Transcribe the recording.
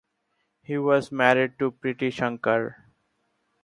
He was married to Priti Shankar.